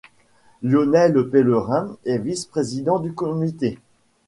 Lionel-Pèlerin est vice-président du comité.